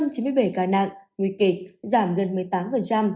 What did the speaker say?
sáu trăm chín mươi bảy ca nặng nguy kịch giảm gần một mươi tám